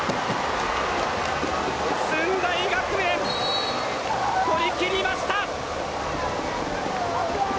駿台学園取りきりました！